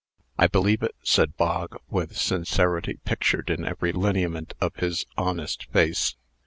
"I believe it," said Bog, with sincerity pictured in every lineament of his honest face.